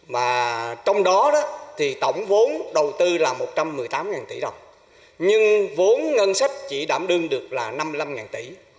mà trong đó thì tổng vốn đầu tư là một trăm một mươi tám tỷ đồng nhưng vốn ngân sách chỉ đảm đương được là năm mươi năm tỷ